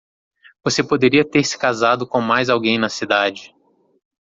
Você poderia ter se casado com mais alguém na cidade.